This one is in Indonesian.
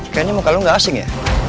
kayaknya muka lu gak asing ya